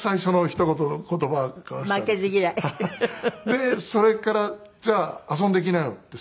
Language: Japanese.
でそれから「じゃあ遊んでいきなよ」って。